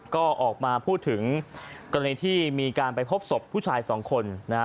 ก็ออกมาพูดถึงกรณีที่มีการไปพบศพผู้ชายสองคนนะฮะ